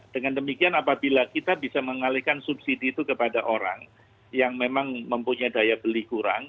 dengan demikian apabila kita bisa mengalihkan subsidi itu kepada orang yang memang mempunyai daya beli kurang